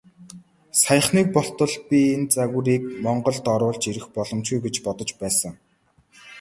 Саяхныг болтол би энэ загварыг Монголд оруулж ирэх боломжгүй гэж бодож байсан.